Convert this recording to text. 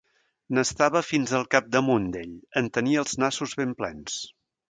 N'estava fins al capdamunt d'ell – en tenia els nassos ben plens.